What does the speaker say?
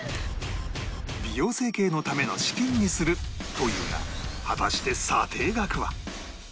美容整形のための資金にするというが果たして査定額は？